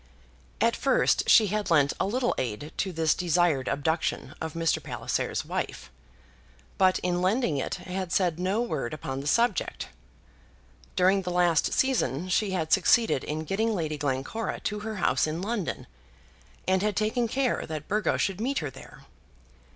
At first she had lent a little aid to this desired abduction of Mr. Palliser's wife, but in lending it had said no word upon the subject. During the last season she had succeeded in getting Lady Glencora to her house in London, and had taken care that Burgo should meet her there.